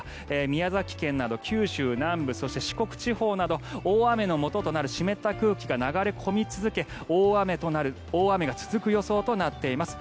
宮崎県など九州南部そして四国地方など大雨のもととなる湿った空気が流れ込み続け大雨が続く予想となっています。